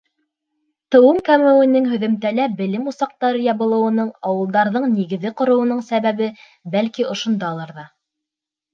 Тыуым кәмеүенең, һөҙөмтәлә белем усаҡтары ябылыуының, ауылдарҙың нигеҙе ҡороуының сәбәбе, бәлки, ошондалыр ҙа.